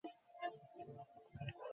ওদের খুঁজে পাও নি।